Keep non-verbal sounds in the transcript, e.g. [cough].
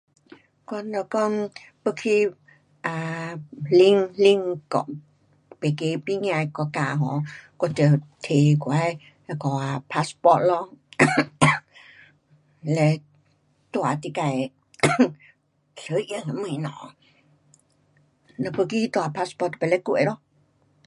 我若讲要去 um 邻，邻国，别个边崖的国家 um，我得提我的 passport 咯， [coughs] 嘞带你自 [coughs] 所用的东西，若不记带 passport 就不能过咯。um